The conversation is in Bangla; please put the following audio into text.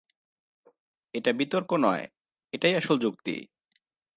এটা বিতর্ক নয়, এটাই আসল যুক্তি।